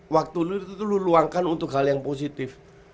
waktu lo itu lo luangkan untuk hal yang positif